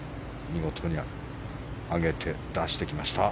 見事に上げて、出してきました。